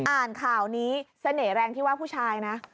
อ่านข่าวนี้เสน่ห์แรงที่ว่าผู้ชายนะ